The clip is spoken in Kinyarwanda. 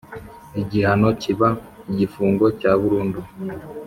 Igihano kiba igifungo cya burundu